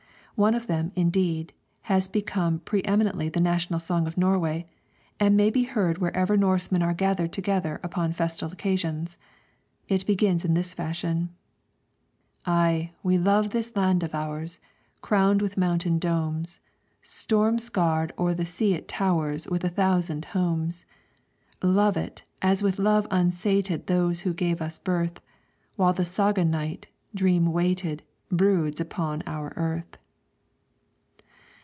One of them, indeed, has become pre eminently the national song of Norway, and may be heard wherever Norsemen are gathered together upon festal occasions. It begins in this fashion: "Ay, we love this land of ours, Crowned with mountain domes; Storm scarred o'er the sea it towers With a thousand homes. Love it, as with love unsated Those who gave us birth, While the saga night, dream weighted, Broods upon our earth."